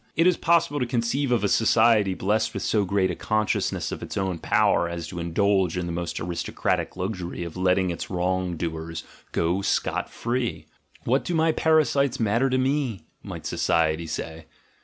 It is possible to conceive of a society blessed with so great a consciousness of its own power as to indulge in the most aristocratic luxury of letting its wrong doers go scot jree. — "What do my para sites matter to me?" might society say.